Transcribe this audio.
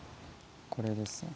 これですね。